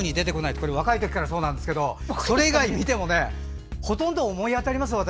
これ、若いときからそうなんですがそれ以外を見てもほとんど思い当たりますよ、私。